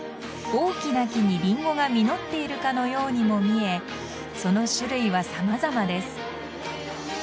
大きな木にリンゴが実っているかのようにも見えその種類は様々です。